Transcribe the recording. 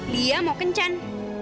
dia mau kencan